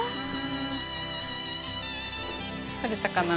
撮れたかな。